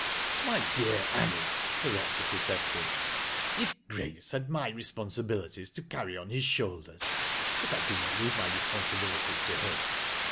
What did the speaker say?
" My dear Anice," the rector protested ;" if Grace had my responsibilities to carry on his shoulders, — but I do not leave my responsibilities to him.